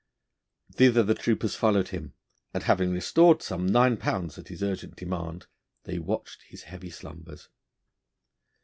Thither the troopers followed him, and having restored some nine pounds at his urgent demand, they watched his heavy slumbers.